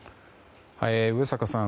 上坂さん